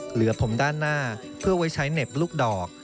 เหลือผมด้านหน้าเพื่อไว้ใช้เหน็บลูกดอก